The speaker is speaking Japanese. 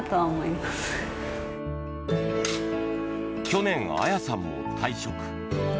去年、彩さんも退職。